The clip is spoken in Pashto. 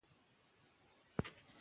موږ باید د خپلې ژبې حق ادا کړو.